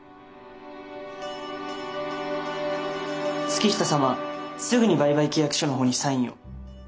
月下様すぐに売買契約書の方にサインを。